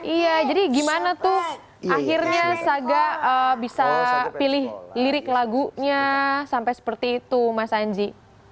iya jadi gimana tuh akhirnya saga bisa pilih lirik lagunya sampai seperti itu mas anji